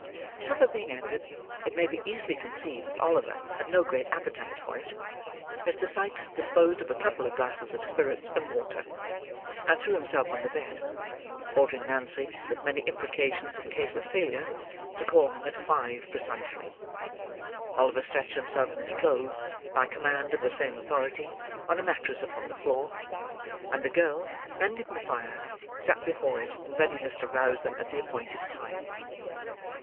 Supper being ended—it may be easily conceived that Oliver had no great appetite for it—Mr. Sikes disposed of a couple of glasses of spirits and water, and threw himself on the bed; ordering Nancy, with many imprecations in case of failure, to call him at five precisely. Oliver stretched himself in his clothes, by command of the same authority, on a mattress upon the floor; and the girl, mending the fire, sat before it, in readiness to rouse them at the appointed time.